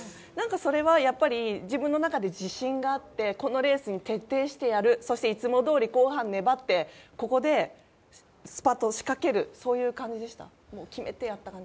それはやっぱり自分の中で自信があってこのレースに徹底してやるいつもどおり後半粘ってここでスパートを仕掛けるといった感じでした？